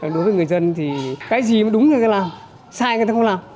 đối với người dân thì cái gì mà đúng người ta làm sai người ta không làm